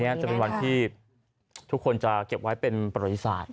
จะเป็นวันที่ทุกคนจะเก็บไว้เป็นประวัติศาสตร์